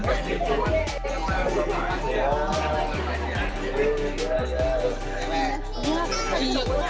gak apa apa ya